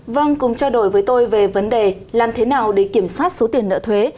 vâng cùng trao đổi với tôi về vấn đề làm thế nào để kiểm soát số tiền nợ thuế